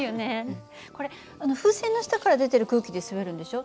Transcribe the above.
これ風船の下から出てる空気で滑るんでしょ。